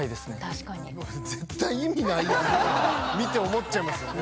確かに見て思っちゃいますよね